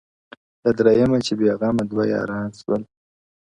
• له دریمه چي بېغمه دوه یاران سول ,